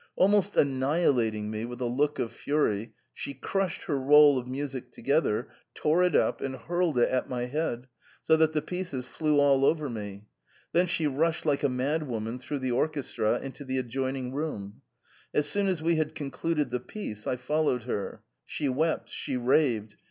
Almost annihilating me with a look of fury, she crushed her roll of music together, tore it up, and hurled it at my head, so that the pieces flew all over me. Then she rushed like a madwoman through the orchestra into the adjoining room ; as soon as we had concluded the piece, I followed her. She wept ; she raved.